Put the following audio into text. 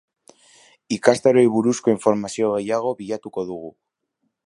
Ikastaroei buruzko informazio gehiago bilatuko dugu.